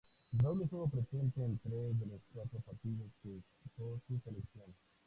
Raúl estuvo presente en tres de los cuatro partidos que disputó su selección.